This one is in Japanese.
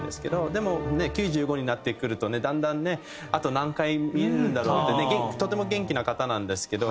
でも９５になってくるとねだんだんねあと何回見れるんだろう？ってねとても元気な方なんですけど。